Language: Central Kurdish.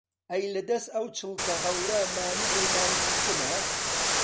ئەی لە دەس ئەو چڵکە هەورە مانیعی مانگ دیتنە